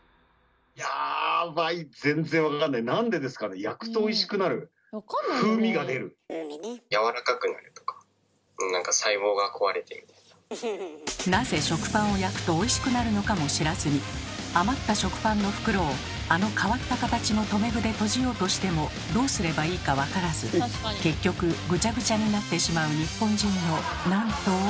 やばいなぜ食パンを焼くとおいしくなるのかも知らずに余った食パンの袋をあの変わった形の留め具で閉じようとしてもどうすればいいか分からず結局ぐちゃぐちゃになってしまう日本人のなんと多いことか。